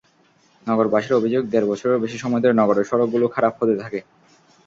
নগরবাসীর অভিযোগ, দেড় বছরেরও বেশি সময় ধরে নগরের সড়কগুলো খারাপ হতে থাকে।